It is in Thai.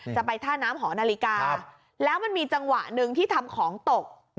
จะไปท่าน้ำหอนาฬิกาแล้วมันมีจังหวะหนึ่งที่ทำของตก